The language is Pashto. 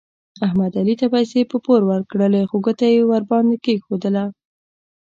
احمد علي ته پیسې په پور ورکړلې خو ګوته یې ور باندې کېښودله.